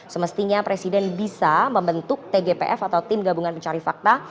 semestinya presiden bisa membentuk tgpf atau tim gabungan pencari fakta